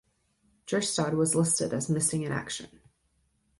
Jerstad was listed as missing in action.